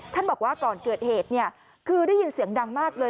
บอกว่าก่อนเกิดเหตุคือได้ยินเสียงดังมากเลย